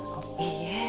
いいえ。